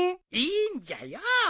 いいんじゃよ。